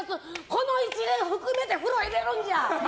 この一連含めて風呂入れるんじゃ！